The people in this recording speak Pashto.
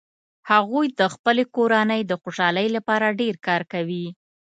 هغوي د خپلې کورنۍ د خوشحالۍ لپاره ډیر کار کوي